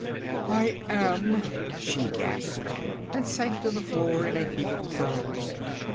"I am," she gasped, and sank to the floor in a heap of pearls.